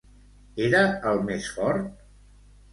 Era el més fort?